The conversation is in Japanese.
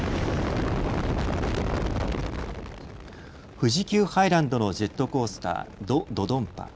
富士急ハイランドのジェットコースター、ド・ドドンパ。